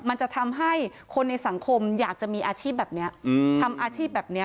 มันจะทำให้คนในสังคมอยากจะมีอาชีพแบบนี้ทำอาชีพแบบนี้